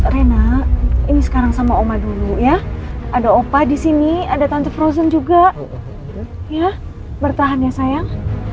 rena ini sekarang sama oma dulu ya ada opa di sini ada tante frozen juga ya bertahan ya sayang